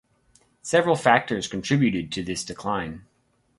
Several factors contributed to this decline.